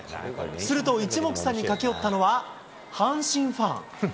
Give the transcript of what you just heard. すると、いちもくさんに駆け寄ったのは、阪神ファン。